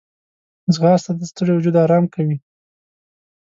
ځغاسته د ستړي وجود آرام کوي